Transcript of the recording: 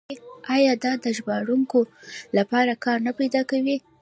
آیا دا د ژباړونکو لپاره کار نه پیدا کوي؟